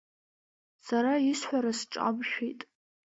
Сара исҳәара сҿамшәеит.